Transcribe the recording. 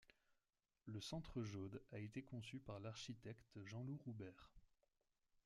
Le Centre Jaude a été conçu par l’architecte Jean-Loup Roubert.